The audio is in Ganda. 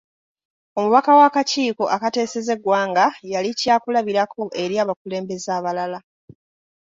Omubaka wa akakiiko akateeseza eggwanga yali kya kulabirako eri abakulembeze abalala.